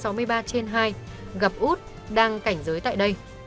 lộc điện thoại gặp út đang cảnh giới tại đây